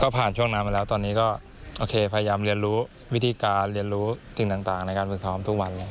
ผ่านช่วงนั้นมาแล้วตอนนี้ก็โอเคพยายามเรียนรู้วิธีการเรียนรู้สิ่งต่างในการฝึกซ้อมทุกวันเลย